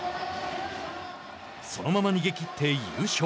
そのまま逃げきって優勝。